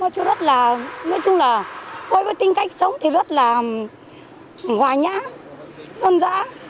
chú rất là nói chung là với tính cách sống thì rất là ngoài nhã dân dã